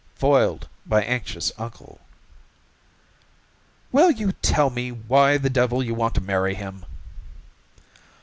Foiled by anxious uncle." "Will you tell me why the devil you want to marry him?"